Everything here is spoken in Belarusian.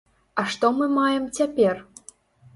А што мы маем цяпер?